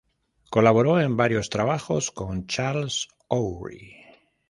Colaboró en varios trabajos con Charles Aubry.